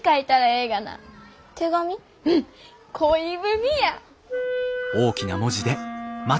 うん恋文や！